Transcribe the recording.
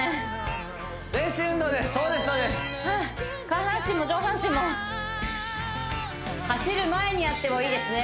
下半身も上半身も走る前にやってもいいですね